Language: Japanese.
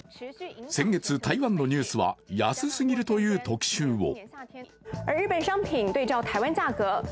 先月、台湾のニュースは安過ぎるという特集を。